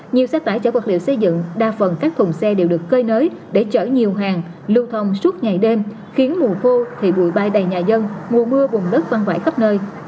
nhiều xe tải chở vật liệu xây dựng đa phần các thùng xe đều được cơi nới để chở nhiều hàng lưu thông suốt ngày đêm khiến mùa khô thì bụi bay đầy nhà dân mùa mưa bùng đất văn vải khắp nơi